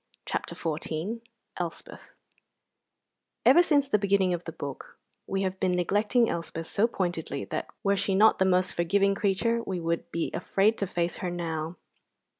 CHAPTER XIV ELSPETH Ever since the beginning of the book we have been neglecting Elspeth so pointedly that were she not the most forgiving creature we should be afraid to face her now.